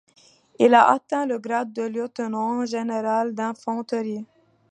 Il a atteint le grade de lieutenant-général d'infanterie.